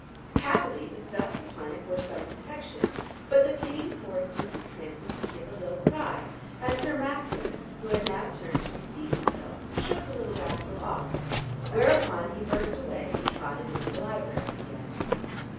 Happily the stuffs upon it were some protection, but the pain forced Mrs. Transome to give a low cry; and Sir Maximus, who had now turned to reseat himself, shook the little rascal off, whereupon he burst away and trotted into the library again.